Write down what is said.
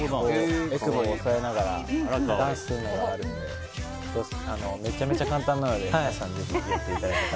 えくぼを押さえながらダンスするのがあるのでめちゃめちゃ簡単なので皆さんぜひやっていただけたら。